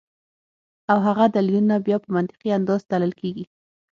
او هغه دليلونه بیا پۀ منطقي انداز تللے کيږي